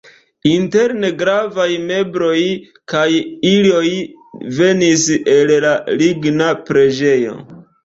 Interne gravaj mebloj kaj iloj venis el la ligna preĝejo.